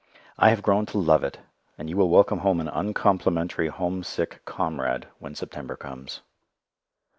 I have grown to love it, and you will welcome home an uncomplimentary homesick comrade when September comes.